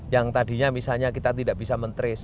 yang tadinya misalnya kita tidak bisa mentris